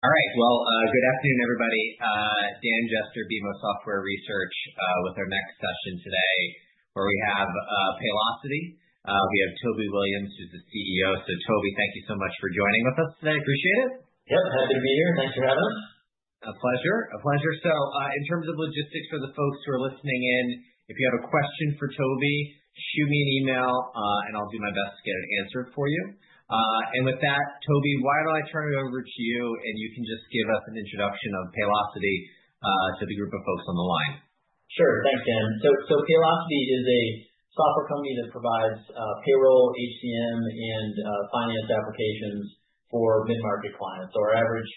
All right. Well, good afternoon, everybody. Dan Jester, BMO Software Research, with our next session today, where we have Paylocity. We have Toby Williams, who's the CEO. So, Toby, thank you so much for joining with us today. Appreciate it. Yep. Happy to be here. Thanks for having us. A pleasure. A pleasure. So, in terms of logistics for the folks who are listening in, if you have a question for Toby, shoot me an email, and I'll do my best to get an answer for you. And with that, Toby, why don't I turn it over to you, and you can just give us an introduction of Paylocity to the group of folks on the line. Sure. Thanks, Dan. So, Paylocity is a software company that provides payroll, HCM, and finance applications for mid-market clients. So, our average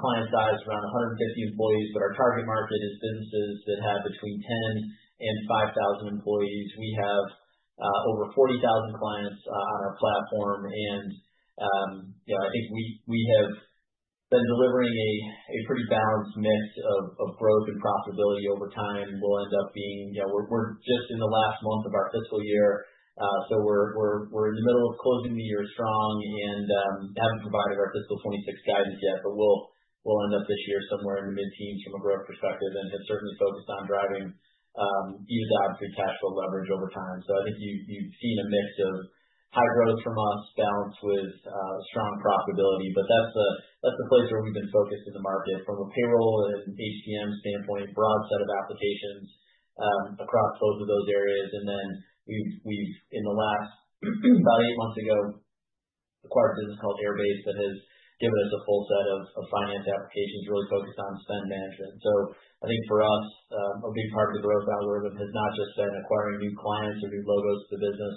client size is around 150 employees, but our target market is businesses that have between 10 and 5,000 employees. We have over 40,000 clients on our platform. And I think we have been delivering a pretty balanced mix of growth and profitability over time. We'll end up being. We're just in the last month of our fiscal year. So, we're in the middle of closing the year strong and haven't provided our Fiscal 26 guidance yet, but we'll end up this year somewhere in the mid-teens from a growth perspective and have certainly focused on driving user adoption free cash flow leverage over time. So, I think you've seen a mix of high growth from us balanced with strong profitability. But that's the place where we've been focused in the market from a payroll and HCM standpoint, broad set of applications across both of those areas. And then we've, in the last about eight months ago, acquired a business called Airbase that has given us a full set of finance applications really focused on spend management. So, I think for us, a big part of the growth algorithm has not just been acquiring new clients or new logos to the business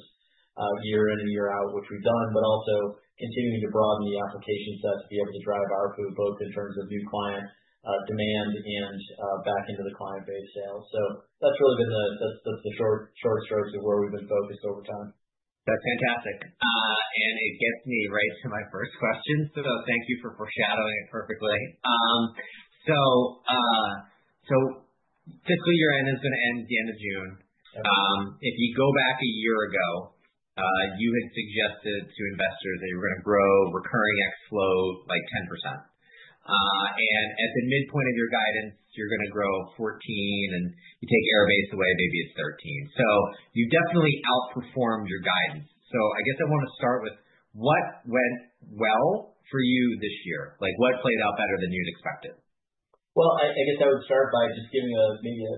year in and year out, which we've done, but also continuing to broaden the application set to be able to drive our footprint both in terms of new client demand and back into the client base sales. So, that's really been the—that's the broad strokes of where we've been focused over time. That's fantastic. And it gets me right to my first question. So, thank you for foreshadowing it perfectly. So, fiscal year-end is going to end at the end of June. If you go back a year ago, you had suggested to investors that you were going to grow recurring cash flow by 10%. And at the midpoint of your guidance, you're going to grow 14%, and you take Airbase away, maybe it's 13%. So, you've definitely outperformed your guidance. So, I guess I want to start with what went well for you this year. What played out better than you'd expected? I guess I would start by just giving maybe a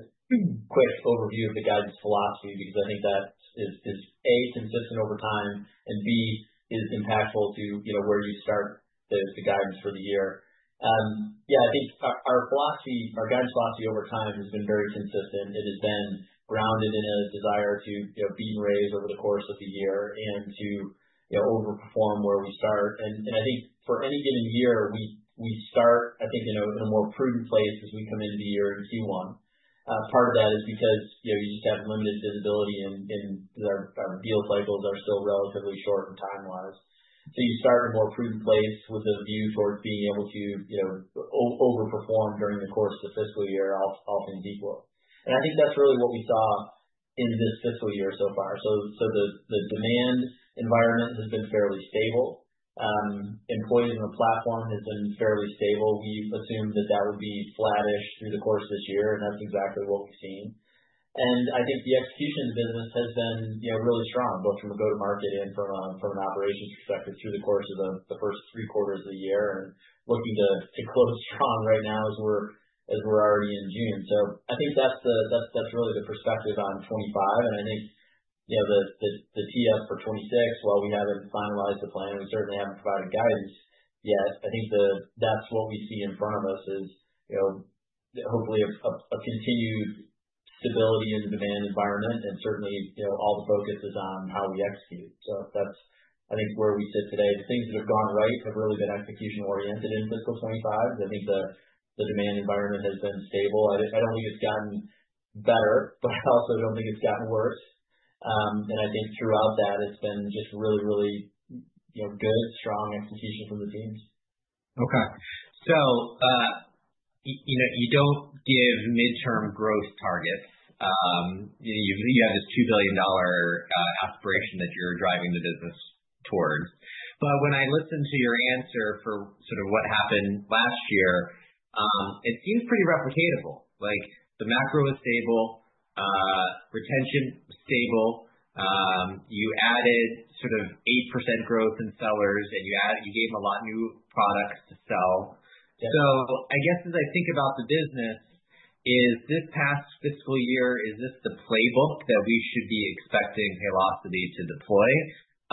quick overview of the guidance philosophy because I think that is, A, consistent over time, and B, is impactful to where you start the guidance for the year. Yeah, I think our guidance philosophy over time has been very consistent. It has been grounded in a desire to beat and raise over the course of the year and to overperform where we start. I think for any given year, we start, I think, in a more prudent place as we come into the year in Q1. Part of that is because you just have limited visibility and our deal cycles are still relatively short time-wise. You start in a more prudent place with a view towards being able to overperform during the course of the fiscal year all things equal. I think that's really what we saw in this fiscal year so far. So, the demand environment has been fairly stable. Employees on the platform have been fairly stable. We assumed that that would be flattish through the course of this year, and that's exactly what we've seen. I think the execution of the business has been really strong, both from a go-to-market and from an operations perspective through the course of the first three quarters of the year, and looking to close strong right now as we're already in June. I think that's really the perspective on 2025. I think the FY for 2026, while we haven't finalized the plan, we certainly haven't provided guidance yet. I think that's what we see in front of us is hopefully a continued stability in the demand environment, and certainly all the focus is on how we execute. So, that's, I think, where we sit today. The things that have gone right have really been execution-oriented in Fiscal 2025. I think the demand environment has been stable. I don't think it's gotten better, but I also don't think it's gotten worse. And I think throughout that, it's been just really, really good, strong execution from the teams. Okay. So, you don't give midterm growth targets. You have this $2 billion aspiration that you're driving the business towards. But when I listen to your answer for sort of what happened last year, it seems pretty replicatable. The macro is stable, retention is stable. You added sort of 8% growth in sellers, and you gave them a lot of new products to sell. So, I guess as I think about the business, is this past fiscal year, is this the playbook that we should be expecting Paylocity to deploy?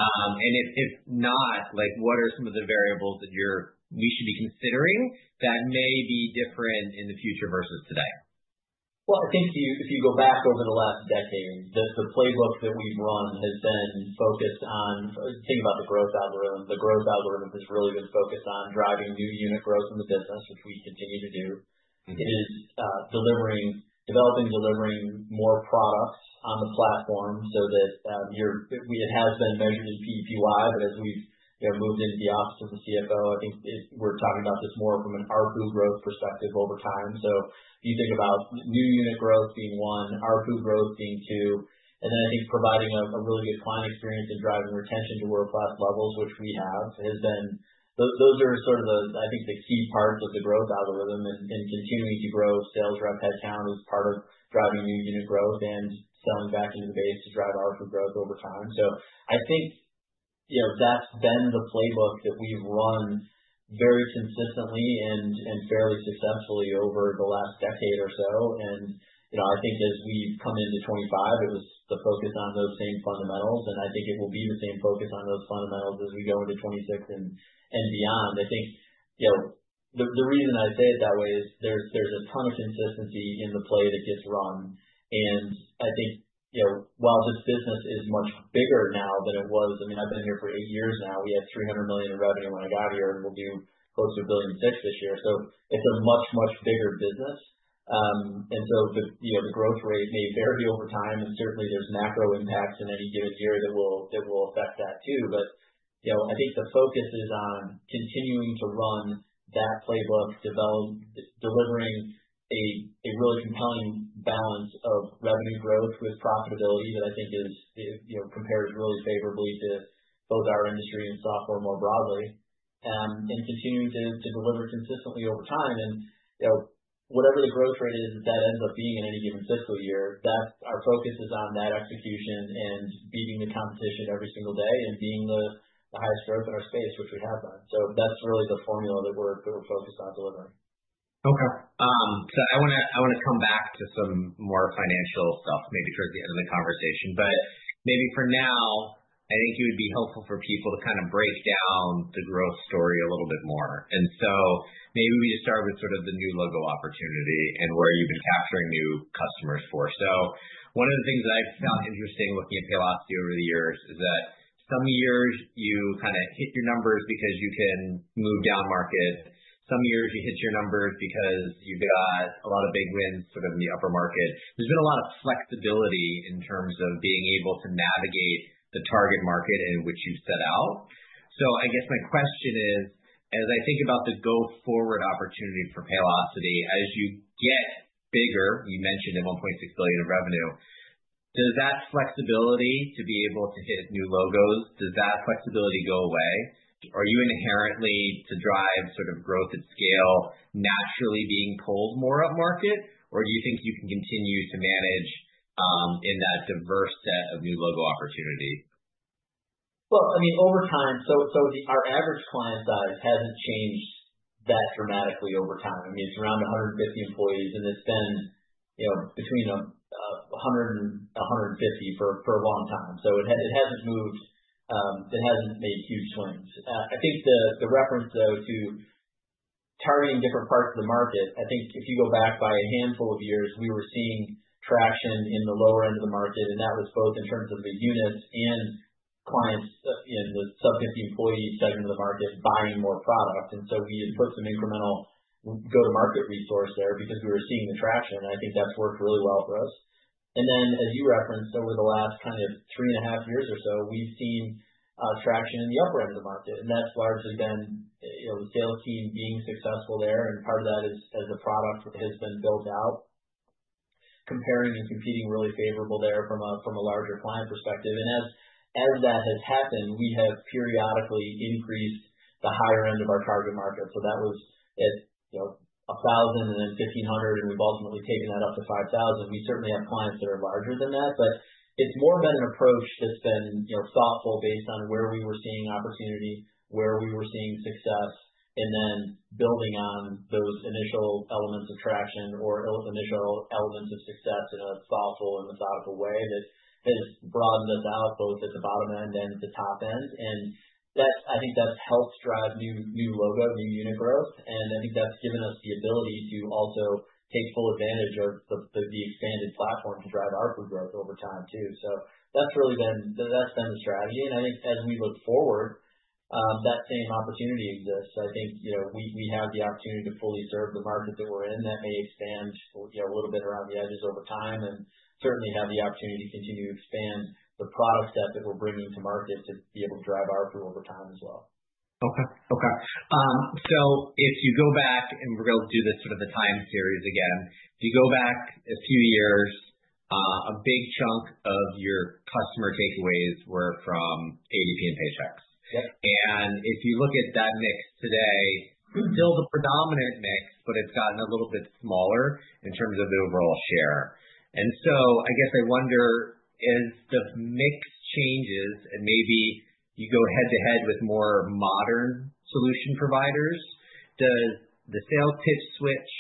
And if not, what are some of the variables that we should be considering that may be different in the future versus today? I think if you go back over the last decade, the playbook that we've run has been focused on. Think about the growth algorithm. The growth algorithm has really been focused on driving new unit growth in the business, which we continue to do. It is developing and delivering more products on the platform so that it has been measured in PEPY. But as we've moved into the Office of the CFO, I think we're talking about this more from an RPU growth perspective over time. So, you think about new unit growth being one, RPU growth being two. And then I think providing a really good client experience and driving retention to world-class levels, which we have, has been. Those are sort of, I think, the key parts of the growth algorithm and continuing to grow sales rep headcount as part of driving new unit growth and selling back into the base to drive RPU growth over time. So, I think that's been the playbook that we've run very consistently and fairly successfully over the last decade or so. And I think as we've come into 2025, it was the focus on those same fundamentals. And I think it will be the same focus on those fundamentals as we go into 2026 and beyond. I think the reason I say it that way is there's a ton of consistency in the play that gets run. And I think while this business is much bigger now than it was. I mean, I've been here for eight years now. We had $300 million in revenue when I got here, and we'll do close to a $1.6 billion this year. So, it's a much, much bigger business. And so the growth rate may vary over time, and certainly there's macro impacts in any given year that will affect that too. But I think the focus is on continuing to run that playbook, delivering a really compelling balance of revenue growth with profitability that I think compares really favorably to both our industry and software more broadly, and continuing to deliver consistently over time. And whatever the growth rate is that ends up being in any given fiscal year, our focus is on that execution and beating the competition every single day and being the highest growth in our space, which we have been. So, that's really the formula that we're focused on delivering. Okay. So, I want to come back to some more financial stuff maybe towards the end of the conversation, but maybe for now, I think it would be helpful for people to kind of break down the growth story a little bit more, and so maybe we just start with sort of the new logo opportunity and where you've been capturing new customers for, so one of the things that I've found interesting looking at Paylocity over the years is that some years you kind of hit your numbers because you can move down market. Some years you hit your numbers because you've got a lot of big wins sort of in the upper market. There's been a lot of flexibility in terms of being able to navigate the target market in which you've set out. I guess my question is, as I think about the go-forward opportunity for Paylocity, as you get bigger, you mentioned at $1.6 billion of revenue, does that flexibility to be able to hit new logos, does that flexibility go away? Are you inherently to drive sort of growth at scale naturally being pulled more up market, or do you think you can continue to manage in that diverse set of new logo opportunity? I mean, over time, so our average client size hasn't changed that dramatically over time. I mean, it's around 150 employees, and it's been between 100 and 150 for a long time. So, it hasn't moved. It hasn't made huge swings. I think the reference, though, to targeting different parts of the market. I think if you go back by a handful of years, we were seeing traction in the lower end of the market, and that was both in terms of the units and clients in the sub-50 employee segment of the market buying more product. And so we had put some incremental go-to-market resource there because we were seeing the traction. And I think that's worked really well for us. And then, as you referenced, over the last kind of three and a half years or so, we've seen traction in the upper end of the market. That's largely been the sales team being successful there. Part of that is as the product has been built out, comparing and competing really favorably there from a larger client perspective. As that has happened, we have periodically increased the higher end of our target market. That was at 1,000 and then 1,500, and we've ultimately taken that up to 5,000. We certainly have clients that are larger than that, but it's more been an approach that's been thoughtful based on where we were seeing opportunity, where we were seeing success, and then building on those initial elements of traction or initial elements of success in a thoughtful and methodical way that has broadened us out both at the bottom end and at the top end. I think that's helped drive new logo, new unit growth. And I think that's given us the ability to also take full advantage of the expanded platform to drive RPU growth over time too. So, that's really been the strategy. And I think as we look forward, that same opportunity exists. I think we have the opportunity to fully serve the market that we're in that may expand a little bit around the edges over time and certainly have the opportunity to continue to expand the product set that we're bringing to market to be able to drive RPU over time as well. Okay. Okay. So if you go back and we'll do this sort of the time series again, if you go back a few years, a big chunk of your customer takeaways were from ADP and Paychex, and if you look at that mix today, it's still the predominant mix, but it's gotten a little bit smaller in terms of the overall share, and so I guess I wonder, as the mix changes and maybe you go head-to-head with more modern solution providers, does the sales pitch switch?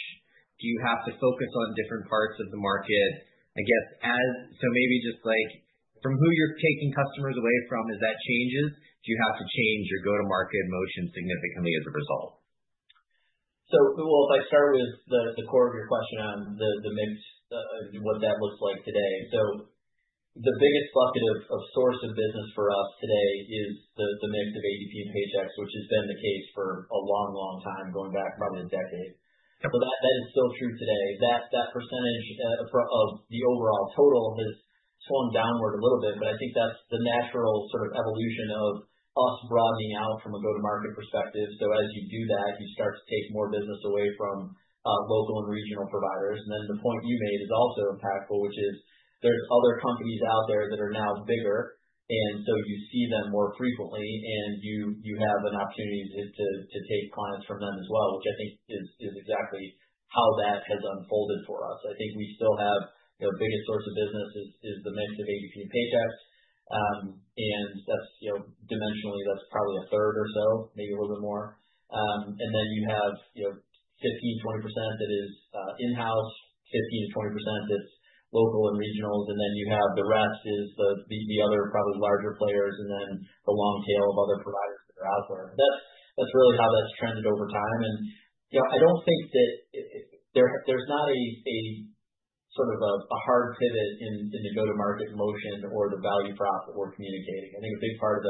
Do you have to focus on different parts of the market? I guess so maybe just from who you're taking customers away from, as that changes, do you have to change your go-to-market motion significantly as a result? So, well, if I start with the core of your question on the mix and what that looks like today. So, the biggest bucket of source of business for us today is the mix of ADP and Paychex, which has been the case for a long, long time, going back probably a decade. So, that is still true today. That percentage of the overall total has swung downward a little bit, but I think that's the natural sort of evolution of us broadening out from a go-to-market perspective. So, as you do that, you start to take more business away from local and regional providers. And then the point you made is also impactful, which is there's other companies out there that are now bigger, and so you see them more frequently, and you have an opportunity to take clients from them as well, which I think is exactly how that has unfolded for us. I think we still have the biggest source of business is the mix of ADP and Paychex. And dimensionally, that's probably a third or so, maybe a little bit more. And then you have 15%-20% that is in-house, 15%-20% that's local and regionals. And then you have the rest is the other probably larger players and then the long tail of other providers that are out there. But that's really how that's trended over time. I don't think that there's not a sort of a hard pivot in the go-to-market motion or the value prop that we're communicating. I think a big part of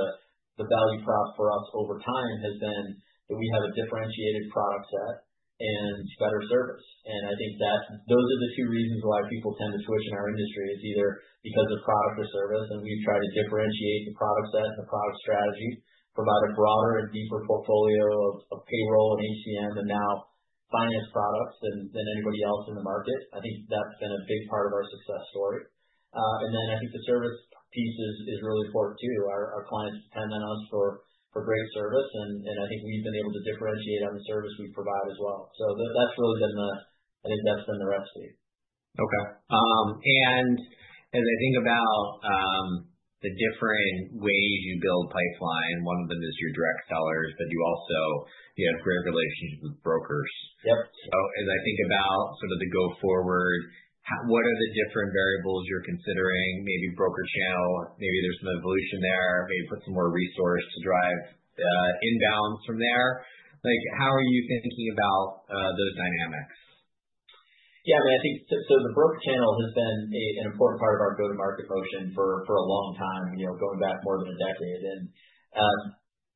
the value prop for us over time has been that we have a differentiated product set and better service. I think those are the two reasons why people tend to switch in our industry is either because of product or service. We've tried to differentiate the product set and the product strategy, provide a broader and deeper portfolio of payroll and HCM and now finance products than anybody else in the market. I think that's been a big part of our success story. I think the service piece is really important too. Our clients depend on us for great service. I think we've been able to differentiate on the service we provide as well. So, that's really been the recipe for us, I think. Okay. And as I think about the different ways you build pipeline, one of them is your direct sellers, but you also have great relationships with brokers. Yep. As I think about sort of the go-forward, what are the different variables you're considering? Maybe broker channel, maybe there's some evolution there, maybe put some more resource to drive inbounds from there. How are you thinking about those dynamics? Yeah. I mean, I think. So the broker channel has been an important part of our go-to-market motion for a long time, going back more than a decade. And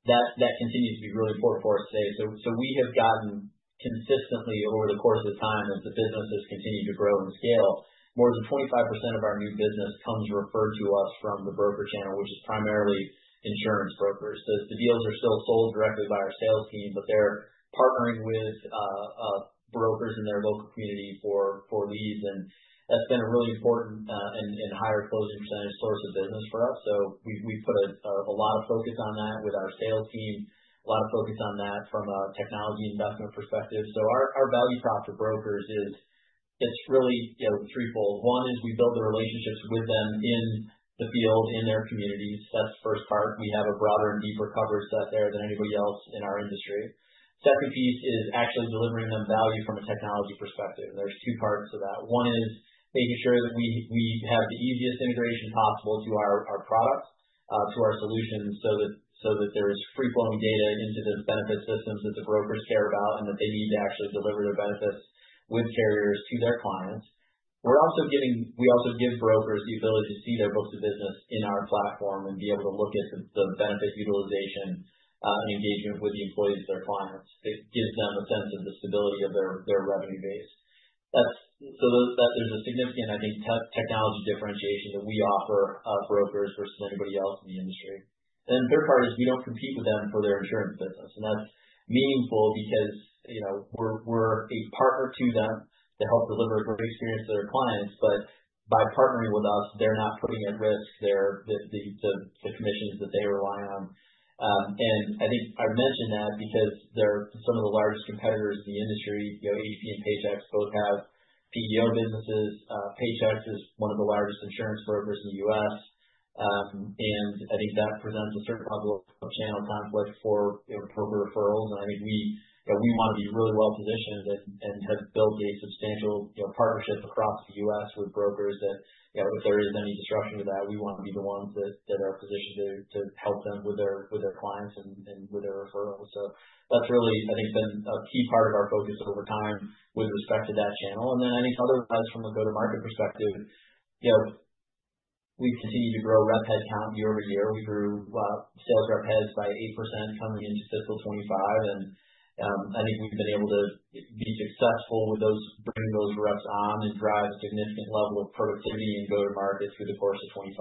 that continues to be really important for us today. So, we have gotten consistently over the course of time as the business has continued to grow and scale, more than 25% of our new business comes referred to us from the broker channel, which is primarily insurance brokers. The deals are still sold directly by our sales team, but they're partnering with brokers in their local community for leads. And that's been a really important and higher closing percentage source of business for us. So, we've put a lot of focus on that with our sales team, a lot of focus on that from a technology investment perspective. So, our value prop to brokers is it's really threefold. One is we build the relationships with them in the field, in their communities. That's the first part. We have a broader and deeper coverage set there than anybody else in our industry. Second piece is actually delivering them value from a technology perspective and there's two parts to that. One is making sure that we have the easiest integration possible to our product, to our solutions so that there is free-flowing data into those benefit systems that the brokers care about and that they need to actually deliver their benefits with carriers to their clients. We also give brokers the ability to see their books of business in our platform and be able to look at the benefit utilization and engagement with the employees of their clients. It gives them a sense of the stability of their revenue base. So, there's a significant, I think, technology differentiation that we offer brokers versus anybody else in the industry. And then the third part is we don't compete with them for their insurance business. And that's meaningful because we're a partner to them to help deliver a great experience to their clients. But by partnering with us, they're not putting at risk the commissions that they rely on. And I think I mentioned that because they're some of the largest competitors in the industry. ADP and Paychex both have PEO businesses. Paychex is one of the largest insurance brokers in the U.S. And I think that presents a certain level of channel conflict for broker referrals. I think we want to be really well-positioned and have built a substantial partnership across the US with brokers that if there is any disruption to that, we want to be the ones that are positioned to help them with their clients and with their referrals. That's really, I think, been a key part of our focus over time with respect to that channel. I think otherwise, from a go-to-market perspective, we've continued to grow rep head count year over year. We grew sales rep heads by 8% coming into Fiscal 25. I think we've been able to be successful with bringing those reps on and drive a significant level of productivity and go-to-market through the course of 25.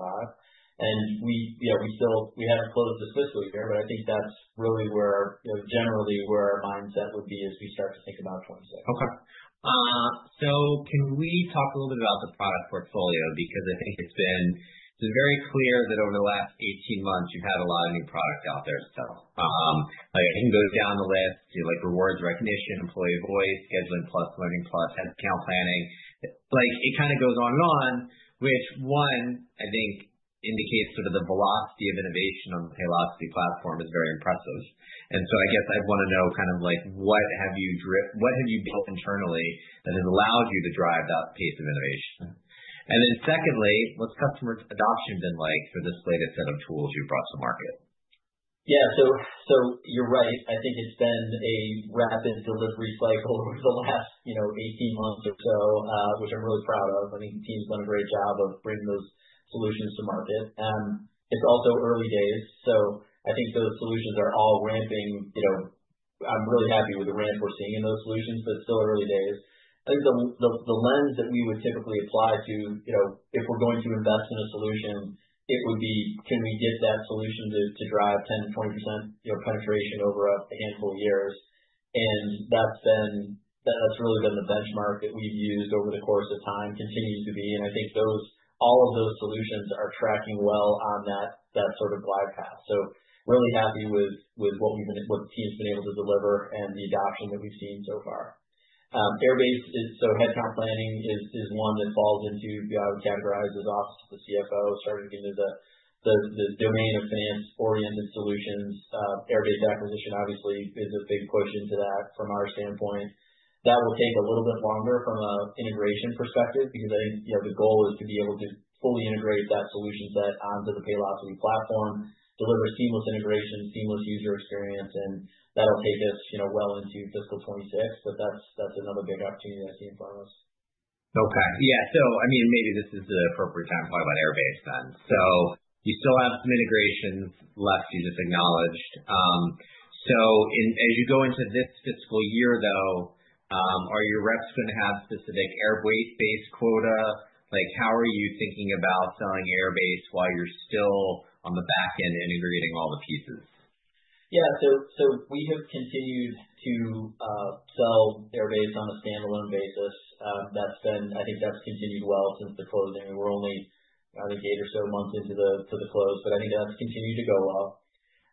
We haven't closed this fiscal year, but I think that's really generally where our mindset would be as we start to think about 26. Okay. So, can we talk a little bit about the product portfolio? Because I think it's been very clear that over the last 18 months, you've had a lot of new product out there. So, I can go down the list, like Recognition & Rewards, Employee Voice, Scheduling Plus, Learning Plus, Headcount Planning. It kind of goes on and on, which one, I think, indicates sort of the velocity of innovation on the Paylocity platform is very impressive. And so, I guess I'd want to know kind of what have you built internally that has allowed you to drive that pace of innovation? And then secondly, what's customer adoption been like for this latest set of tools you've brought to market? Yeah. So, you're right. I think it's been a rapid delivery cycle over the last 18 months or so, which I'm really proud of. I think the team's done a great job of bringing those solutions to market. It's also early days. So, I think those solutions are all ramping. I'm really happy with the ramp we're seeing in those solutions, but still early days. I think the lens that we would typically apply to if we're going to invest in a solution, it would be, can we get that solution to drive 10%-20% penetration over a handful of years? And that's really been the benchmark that we've used over the course of time, continues to be. And I think all of those solutions are tracking well on that sort of glide path. So, really happy with what the team's been able to deliver and the adoption that we've seen so far. Airbase is, so headcount planning is one that falls into, I would categorize as office of the CFO, starting to get into the domain of finance-oriented solutions. Airbase acquisition, obviously, is a big push into that from our standpoint. That will take a little bit longer from an integration perspective because I think the goal is to be able to fully integrate that solution set onto the Paylocity platform, deliver seamless integration, seamless user experience, and that'll take us well into fiscal 26. But that's another big opportunity I see in front of us. Okay. Yeah. So, I mean, maybe this is the appropriate time to talk about Airbase then. So, you still have some integrations left you just acknowledged. So, as you go into this fiscal year, though, are your reps going to have specific Airbase-based quota? How are you thinking about selling Airbase while you're still on the back end integrating all the pieces? Yeah. So, we have continued to sell Airbase on a standalone basis. I think that's continued well since the closing. We're only, I think, eight or so months into the close, but I think that's continued to go well.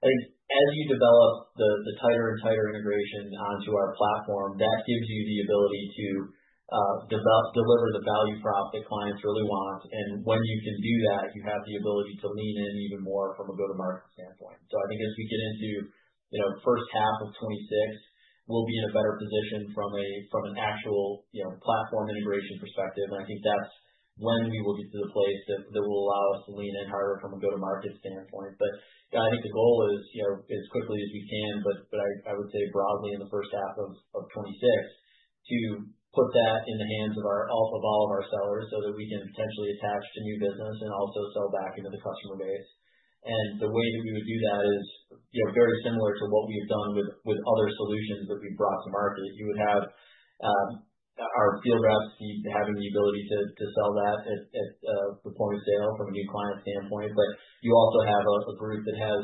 I think as you develop the tighter and tighter integration onto our platform, that gives you the ability to deliver the value prop that clients really want. And when you can do that, you have the ability to lean in even more from a go-to-market standpoint. So, I think as we get into first half of 26, we'll be in a better position from an actual platform integration perspective. And I think that's when we will get to the place that will allow us to lean in harder from a go-to-market standpoint. But I think the goal is as quickly as we can, but I would say broadly in the first half of 26, to put that in the hands of all of our sellers so that we can potentially attach to new business and also sell back into the customer base. And the way that we would do that is very similar to what we have done with other solutions that we've brought to market. You would have our field reps having the ability to sell that at the point of sale from a new client standpoint. But you also have a group that has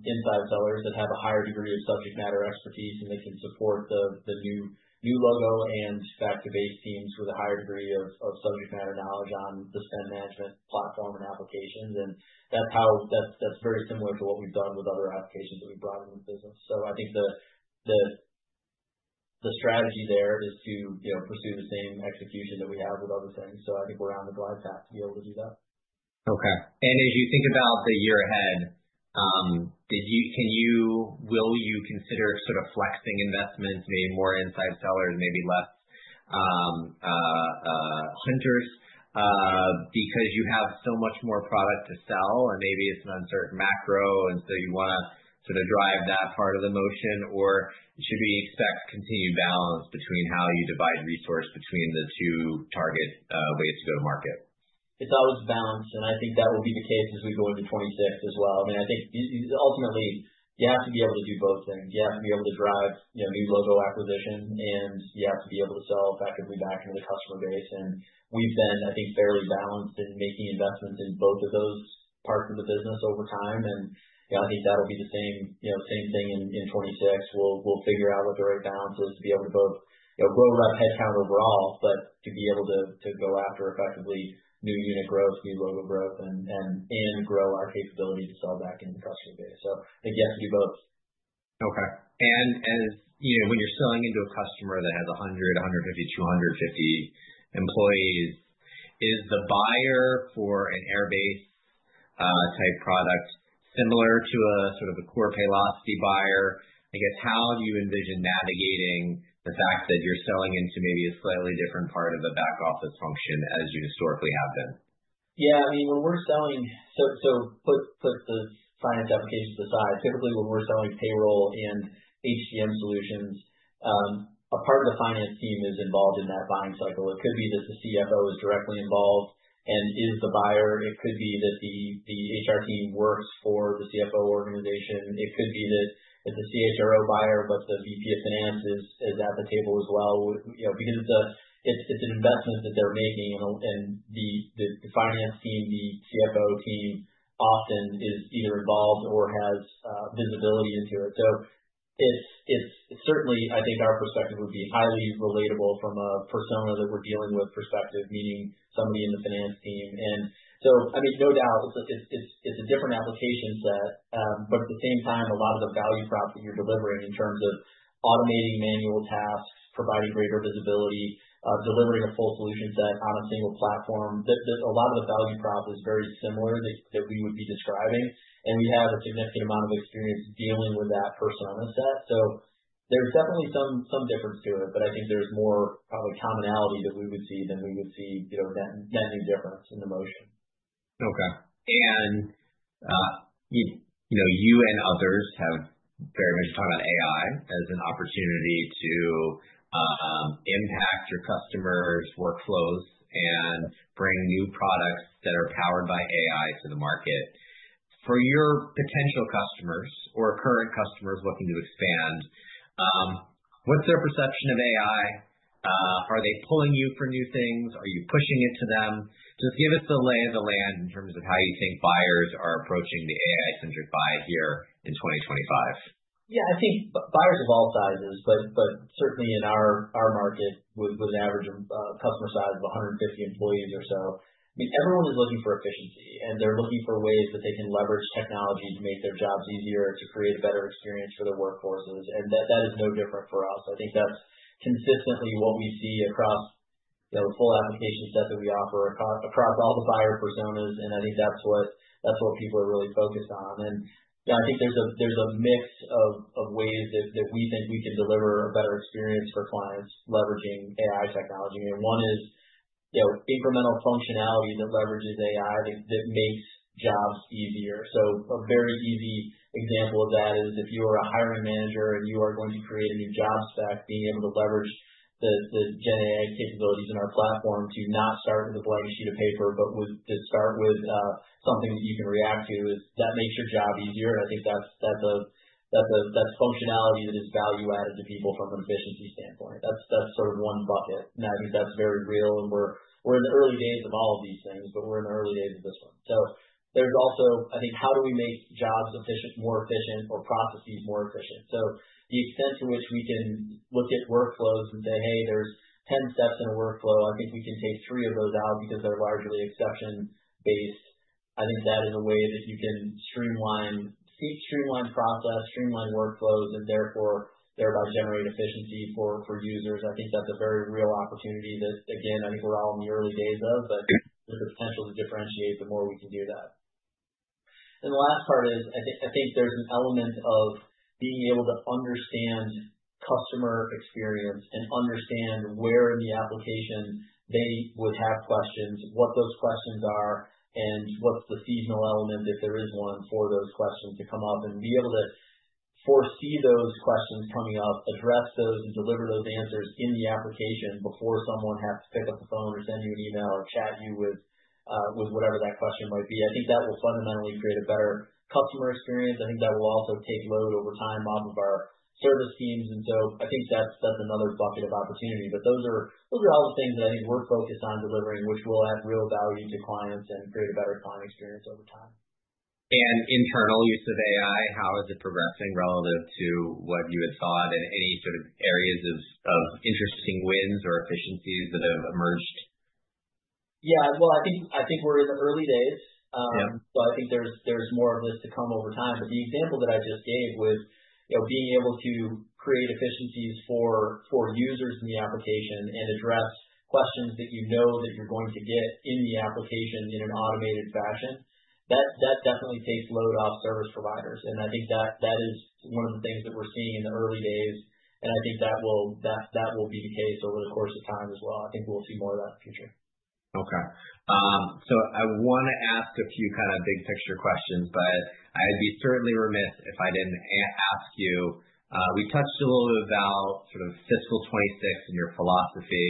inside sellers that have a higher degree of subject matter expertise, and they can support the new logo and back-to-base teams with a higher degree of subject matter knowledge on the spend management platform and applications. That's very similar to what we've done with other applications that we've brought into the business. I think the strategy there is to pursue the same execution that we have with other things. I think we're on the glide path to be able to do that. Okay. And as you think about the year ahead, can you, will you consider sort of flexing investments, maybe more inside sellers, maybe less hunters because you have so much more product to sell? And maybe it's an uncertain macro, and so you want to sort of drive that part of the motion, or should we expect continued balance between how you divide resource between the two target ways to go to market? It's always balanced, and I think that will be the case as we go into 26 as well. I mean, I think ultimately, you have to be able to do both things. You have to be able to drive new logo acquisition, and you have to be able to sell effectively back into the customer base, and we've been, I think, fairly balanced in making investments in both of those parts of the business over time, and I think that'll be the same thing in 26. We'll figure out what the right balance is to be able to both grow rep headcount overall, but to be able to go after effectively new unit growth, new logo growth, and grow our capability to sell back into the customer base, so I think you have to do both. Okay. And when you're selling into a customer that has 100, 150, 250 employees, is the buyer for an Airbase-type product similar to a sort of a core Paylocity buyer? I guess, how do you envision navigating the fact that you're selling into maybe a slightly different part of the back office function as you historically have been? Yeah. I mean, when we're selling, so put the finance applications aside, typically when we're selling payroll and HCM solutions, a part of the finance team is involved in that buying cycle. It could be that the CFO is directly involved and is the buyer. It could be that the HR team works for the CFO organization. It could be that it's a CHRO buyer, but the VP of finance is at the table as well because it's an investment that they're making, and the finance team, the CFO team often is either involved or has visibility into it. So, certainly, I think our perspective would be highly relatable from a persona that we're dealing with perspective, meaning somebody in the finance team, and so, I mean, no doubt, it's a different application set. But at the same time, a lot of the value prop that you're delivering in terms of automating manual tasks, providing greater visibility, delivering a full solution set on a single platform, a lot of the value prop is very similar that we would be describing. And we have a significant amount of experience dealing with that persona set. So, there's definitely some difference to it, but I think there's more probably commonality that we would see than we would see net new difference in the motion. Okay. And you and others have very much talked about AI as an opportunity to impact your customers' workflows and bring new products that are powered by AI to the market. For your potential customers or current customers looking to expand, what's their perception of AI? Are they pulling you for new things? Are you pushing it to them? Just give us the lay of the land in terms of how you think buyers are approaching the AI-centric buy here in 2025. Yeah. I think buyers of all sizes, but certainly in our market with an average customer size of 150 employees or so, I mean, everyone is looking for efficiency, and they're looking for ways that they can leverage technology to make their jobs easier, to create a better experience for their workforces. And that is no different for us. I think that's consistently what we see across the full application set that we offer across all the buyer personas. And I think that's what people are really focused on. And I think there's a mix of ways that we think we can deliver a better experience for clients leveraging AI technology. One is incremental functionality that leverages AI that makes jobs easier. A very easy example of that is if you are a hiring manager and you are going to create a new job spec, being able to leverage the Gen AI capabilities in our platform to not start with a blank sheet of paper, but to start with something that you can react to, that makes your job easier, and I think that's functionality that is value-added to people from an efficiency standpoint, that's sort of one bucket, and I think that's very real, and we're in the early days of all of these things, but we're in the early days of this one, so there's also, I think, how do we make jobs more efficient or processes more efficient, so the extent to which we can look at workflows and say, "Hey, there's 10 steps in a workflow. I think we can take three of those out because they're largely exception-based. I think that is a way that you can streamline process, streamline workflows, and therefore thereby generate efficiency for users. I think that's a very real opportunity that, again, I think we're all in the early days of, but there's a potential to differentiate the more we can do that. And the last part is, I think there's an element of being able to understand customer experience and understand where in the application they would have questions, what those questions are, and what's the seasonal element, if there is one, for those questions to come up and be able to foresee those questions coming up, address those, and deliver those answers in the application before someone has to pick up the phone or send you an email or chat you with whatever that question might be. I think that will fundamentally create a better customer experience. I think that will also take load over time off of our service teams, and so, I think that's another bucket of opportunity, but those are all the things that I think we're focused on delivering, which will add real value to clients and create a better client experience over time. Internal use of AI, how is it progressing relative to what you had thought, and any sort of areas of interesting wins or efficiencies that have emerged? Yeah. Well, I think we're in the early days. So, I think there's more of this to come over time. But the example that I just gave was being able to create efficiencies for users in the application and address questions that you know that you're going to get in the application in an automated fashion. That definitely takes load off service providers. And I think that is one of the things that we're seeing in the early days. And I think that will be the case over the course of time as well. I think we'll see more of that in the future. Okay. So, I want to ask a few kind of big picture questions, but I'd be certainly remiss if I didn't ask you. We touched a little bit about sort of Fiscal 26 and your philosophy.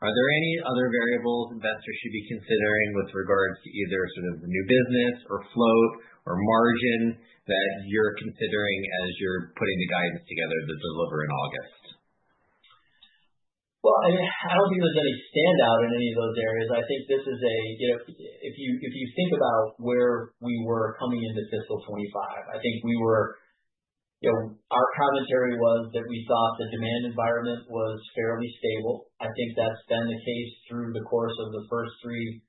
Are there any other variables investors should be considering with regards to either sort of the new business or float or margin that you're considering as you're putting the guidance together to deliver in August? I don't think there's any standout in any of those areas. I think this is a, if you think about where we were coming into Fiscal 25, I think we were, our commentary was that we thought the demand environment was fairly stable. I think that's been the case through the course of the first three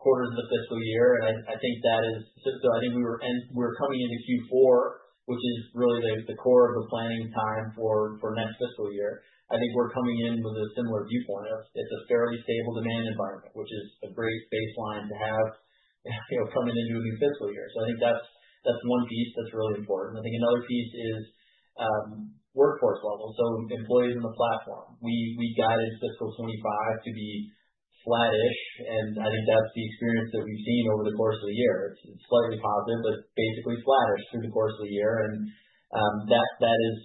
quarters of the fiscal year. I think that is, so I think we were coming into Q4, which is really the core of the planning time for next fiscal year. I think we're coming in with a similar viewpoint of it's a fairly stable demand environment, which is a great baseline to have coming into a new fiscal year. I think that's one piece that's really important. I think another piece is workforce level. So, employees in the platform. We guided Fiscal 25 to be flattish. I think that's the experience that we've seen over the course of the year. It's slightly positive, but basically flattish through the course of the year. That is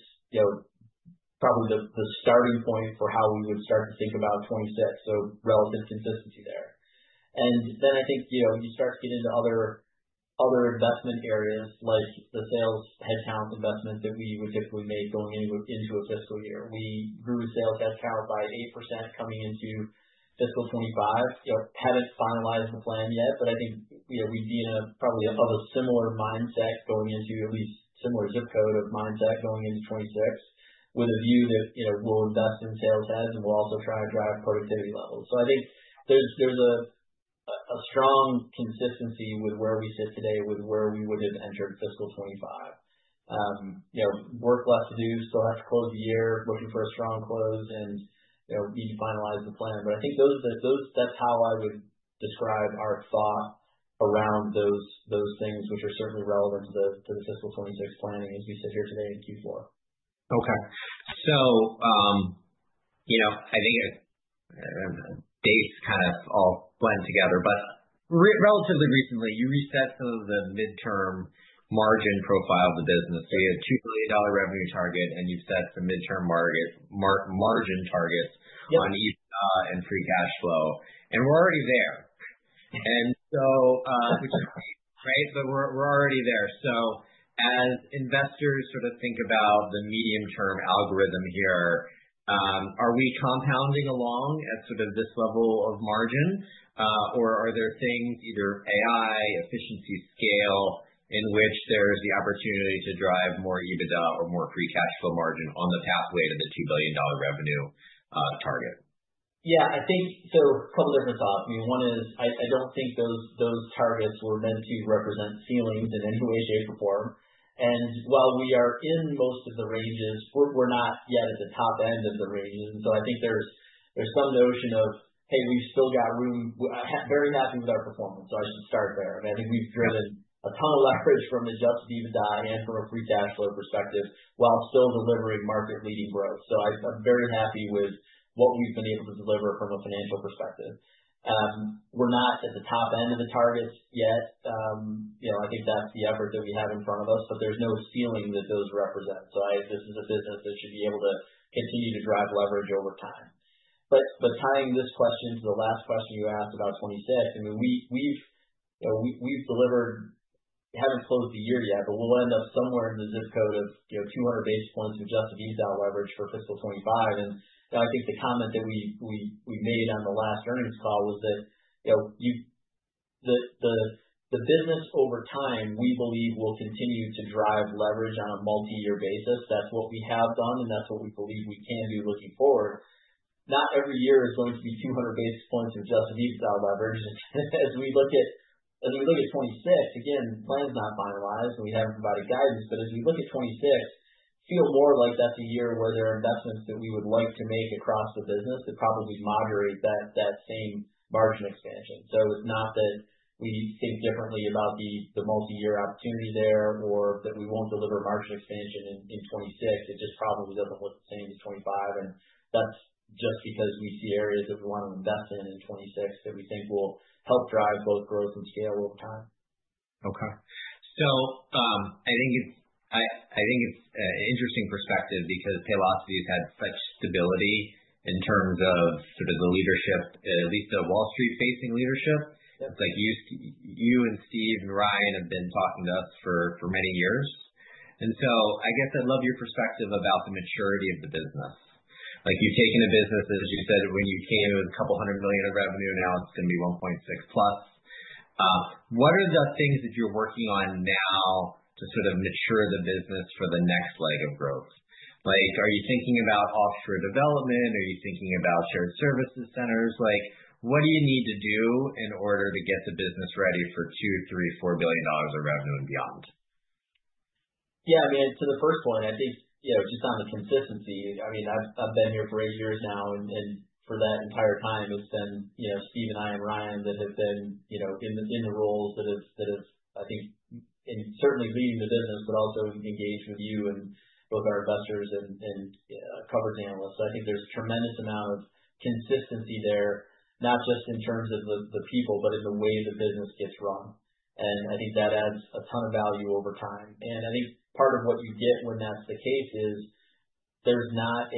probably the starting point for how we would start to think about Fiscal 26. Relative consistency there. Then I think you start to get into other investment areas like the sales headcount investments that we would typically make going into a fiscal year. We grew sales headcount by 8% coming into Fiscal 25. Haven't finalized the plan yet, but I think we'd be in probably of a similar mindset going into at least similar zip code of mindset going into Fiscal 26 with a view that we'll invest in sales heads and we'll also try to drive productivity levels. I think there's a strong consistency with where we sit today with where we would have entered Fiscal 25. Work left to do, still have to close the year, looking for a strong close and need to finalize the plan. But I think that's how I would describe our thought around those things, which are certainly relevant to the Fiscal 2026 planning as we sit here today in Q4. Okay. So, I think dates kind of all blend together, but relatively recently, you reset some of the midterm margin profile of the business. So, you had $2 billion revenue target, and you've set some midterm margin targets on EBITDA and free cash flow. And we're already there, which is great, right? But we're already there. So, as investors sort of think about the medium-term algorithm here, are we compounding along at sort of this level of margin, or are there things, either AI, efficiency scale, in which there's the opportunity to drive more EBITDA or more free cash flow margin on the pathway to the $2 billion revenue target? Yeah. I think so, a couple of different thoughts. I mean, one is I don't think those targets were meant to represent ceilings in any way, shape, or form. And while we are in most of the ranges, we're not yet at the top end of the ranges. And so, I think there's some notion of, "Hey, we've still got room." Very happy with our performance. So, I should start there. I mean, I think we've driven a ton of leverage from the adjusted EBITDA and from a free cash flow perspective while still delivering market-leading growth. So, I'm very happy with what we've been able to deliver from a financial perspective. We're not at the top end of the targets yet. I think that's the effort that we have in front of us, but there's no ceiling that those represent. This is a business that should be able to continue to drive leverage over time. Tying this question to the last question you asked about 26, I mean, we've delivered, haven't closed the year yet, but we'll end up somewhere in the zip code of 200 basis points of adjusted EBITDA leverage for Fiscal 2025. I think the comment that we made on the last earnings call was that the business over time, we believe will continue to drive leverage on a multi-year basis. That's what we have done, and that's what we believe we can do looking forward. Not every year is going to be 200 basis points of adjusted EBITDA leverage. As we look at 26, again, plan's not finalized and we haven't provided guidance, but as we look at 26, feel more like that's a year where there are investments that we would like to make across the business that probably moderate that same margin expansion. So, it's not that we think differently about the multi-year opportunity there or that we won't deliver margin expansion in 26. It just probably doesn't look the same as 25. And that's just because we see areas that we want to invest in in 26 that we think will help drive both growth and scale over time. Okay. So, I think it's an interesting perspective because Paylocity has had such stability in terms of sort of the leadership, at least the Wall Street-facing leadership. It's like you and Steve and Ryan have been talking to us for many years. And so, I guess I'd love your perspective about the maturity of the business. You've taken a business, as you said, when you came, it was $200 million of revenue. Now it's going to be $1.6 billion plus. What are the things that you're working on now to sort of mature the business for the next leg of growth? Are you thinking about offshore development? Are you thinking about shared services centers? What do you need to do in order to get the business ready for $2 billion, $3 billion, $4 billion of revenue and beyond? Yeah. I mean, to the first point, I think just on the consistency. I mean, I've been here for eight years now, and for that entire time, it's been Steve and I and Ryan that have been in the roles that have, I think, certainly leading the business, but also engaged with you and both our investors and coverage analysts. So, I think there's a tremendous amount of consistency there, not just in terms of the people, but in the way the business gets run. And I think that adds a ton of value over time. And I think part of what you get when that's the case is there's not.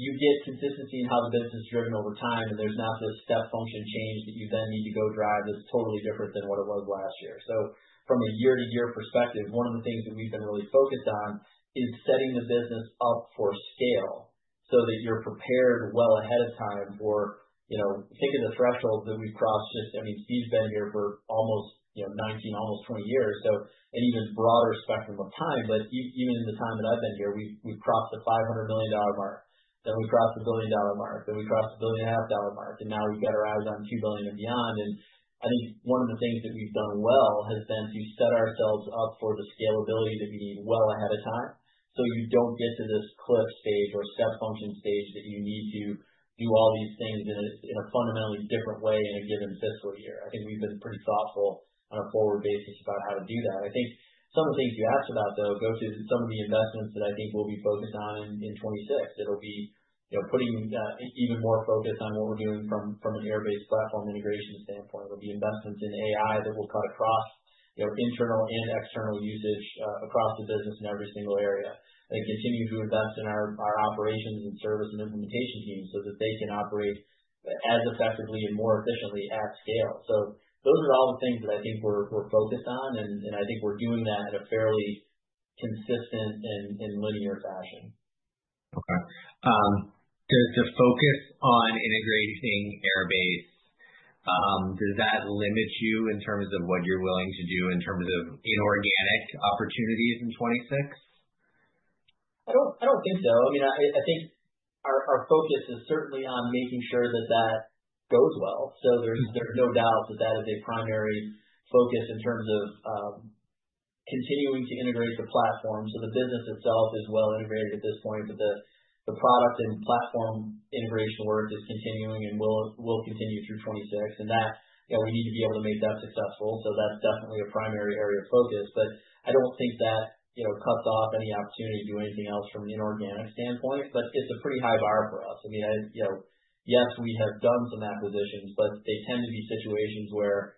You get consistency in how the business is driven over time, and there's not this step function change that you then need to go drive that's totally different than what it was last year. So, from a year-to-year perspective, one of the things that we've been really focused on is setting the business up for scale so that you're prepared well ahead of time for, think of the thresholds that we've crossed just, I mean, Steve's been here for almost 19, almost 20 years, so an even broader spectrum of time. But even in the time that I've been here, we've crossed the $500 million mark. Then we crossed the billion-dollar mark. Then we crossed the billion-and-a-half-dollar mark. And now we've got our eyes on two billion and beyond. I think one of the things that we've done well has been to set ourselves up for the scalability that we need well ahead of time so you don't get to this cliff stage or step function stage that you need to do all these things in a fundamentally different way in a given fiscal year. I think we've been pretty thoughtful on a forward basis about how to do that. I think some of the things you asked about, though, go to some of the investments that I think we'll be focused on in 26. It'll be putting even more focus on what we're doing from an Airbase platform integration standpoint. It'll be investments in AI that will cut across internal and external usage across the business in every single area. And continue to invest in our operations and service and implementation teams so that they can operate as effectively and more efficiently at scale. So, those are all the things that I think we're focused on, and I think we're doing that in a fairly consistent and linear fashion. Okay. To focus on integrating Airbase, does that limit you in terms of what you're willing to do in terms of inorganic opportunities in 2026? I don't think so. I mean, I think our focus is certainly on making sure that that goes well. So, there's no doubt that that is a primary focus in terms of continuing to integrate the platform. So, the business itself is well integrated at this point, but the product and platform integration work is continuing and will continue through 26. And we need to be able to make that successful. So, that's definitely a primary area of focus. But I don't think that cuts off any opportunity to do anything else from an inorganic standpoint, but it's a pretty high bar for us. I mean, yes, we have done some acquisitions, but they tend to be situations where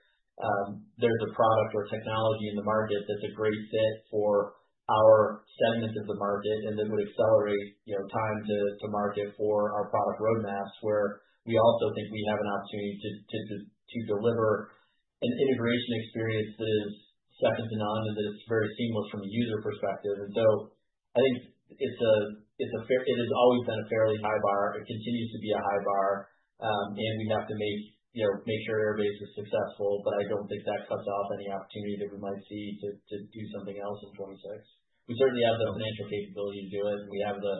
there's a product or technology in the market that's a great fit for our segment of the market and that would accelerate time to market for our product roadmaps where we also think we have an opportunity to deliver an integration experience that is second to none and that it's very seamless from a user perspective. So, I think it has always been a fairly high bar. It continues to be a high bar, and we have to make sure Airbase is successful, but I don't think that cuts off any opportunity that we might see to do something else in 26. We certainly have the financial capability to do it, and we have the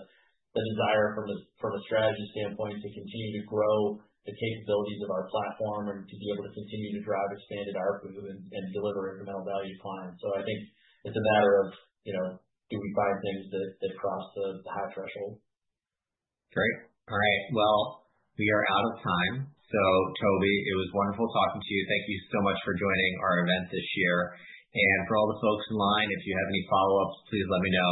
desire from a strategy standpoint to continue to grow the capabilities of our platform and to be able to continue to drive expanded our footprint and deliver incremental value to clients. So, I think it's a matter of do we find things that cross the high threshold. Great. All right. Well, we are out of time. So, Toby, it was wonderful talking to you. Thank you so much for joining our event this year. And for all the folks in line, if you have any follow-ups, please let me know,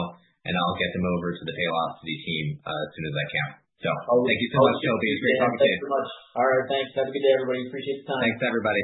and I'll get them over to the Paylocity team as soon as I can. So, thank you so much, Toby. It was great talking to you. Thank you so much. All right. Thanks. Have a good day, everybody. Appreciate the time. Thanks, everybody.